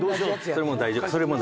それもう大丈夫。